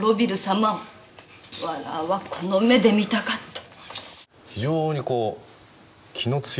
様わらわはこの目で見たかった。